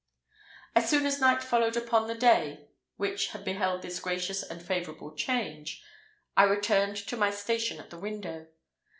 As soon as night followed upon the day which had beheld this gracious and favourable change, I returned to my station at the window.